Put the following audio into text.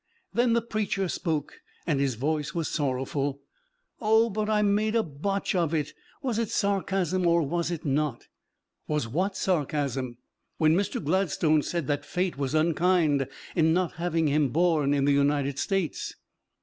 Then the preacher spoke and his voice was sorrowful: "Oh, but I made a botch of it was it sarcasm or was it not?" "Was what sarcasm?" "When Mr. Gladstone said that Fate was unkind in not having him born in the United States!"